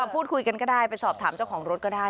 พูดคุยกันก็ได้ไปสอบถามเจ้าของรถก็ได้